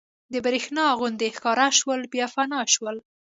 د برېښنا غوندې ښکاره شول بیا فنا شول.